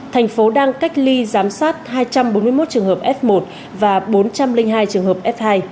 thành phố đang cách ly giám sát hai trăm bốn mươi một trường hợp f một và bốn trăm linh hai trường hợp f hai